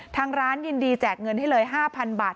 ทางร้านยินดีแจกเงินให้เลย๕๐๐บาท